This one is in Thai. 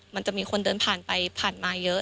มันจะมีคนเดินผ่านไปผ่านมาเยอะ